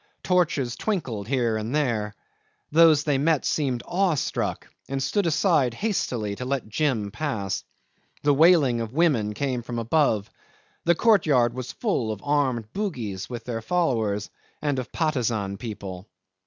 Torches twinkled here and there. Those they met seemed awestruck, and stood aside hastily to let Jim pass. The wailing of women came from above. The courtyard was full of armed Bugis with their followers, and of Patusan people.